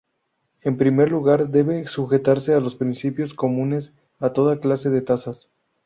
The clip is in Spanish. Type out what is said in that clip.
En primer lugar, debe sujetarse a los principios comunes a toda clase de tasas.